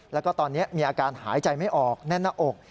แล้วก็ตอนนี้มีอาการหายใจไม่ออกแน่นหน้าอก